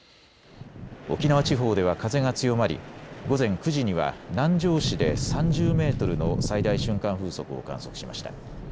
沖縄地方では風が強まり午前９時には南城市で３０メートルの最大瞬間風速を観測しました。